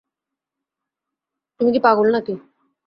তুমি কি পাগল নাকি?